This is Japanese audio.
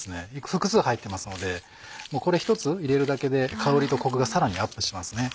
複数入ってますのでこれ１つ入れるだけで香りとコクがさらにアップしますね。